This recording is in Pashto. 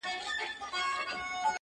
ما يادوه چي کله لږ شانې اوزگاره سوې _